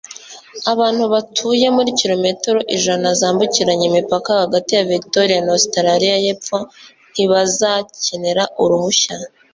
Abantu batuye muri kilometero ijana zambukiranya imipaka hagati ya Victoria na Ositaraliya yepfo ntibazakenera uruhushya,